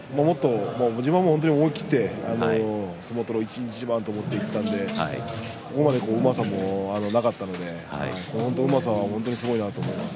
自分は思い切って相撲を一日一番と思っていたのでここまで、うまさもなかったので本当にうまさはすごいなと思います。